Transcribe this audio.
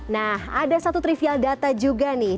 nah ada satu trivial data juga nih